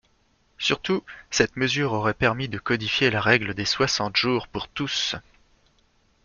Surtout, cette mesure aurait permis de codifier la règle des soixante jours pour tous.